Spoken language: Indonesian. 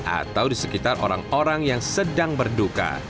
atau di sekitar orang orang yang sedang berduka